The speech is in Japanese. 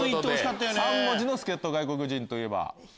３文字の助っ人外国人といえば？